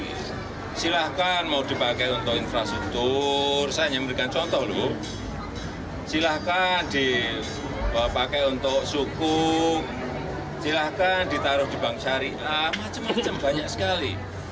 jadi silakan mau dipakai untuk infrastruktur saya hanya memberikan contoh lho silakan dipakai untuk suku silakan ditaruh di bank syariah macam macam banyak sekali